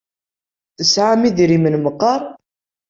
Tesɛam idrimen meqqar?